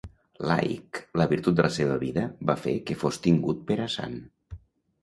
Laic, la virtut de la seva vida va fer que fos tingut per a sant.